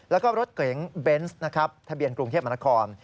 แล้วก็รถเก๋งเบนส์นะครับทะเบียนกรุงเทพมนาคม